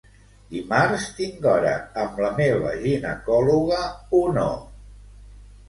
Dimarts tinc hora amb la meva ginecòloga o no?